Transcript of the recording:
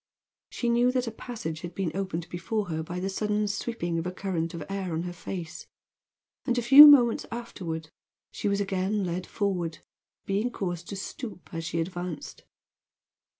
She knew that a passage had been opened before her by the sudden sweeping of a current of air on her face; and a few moments afterward, she was again led forward, being caused to stoop as she advanced.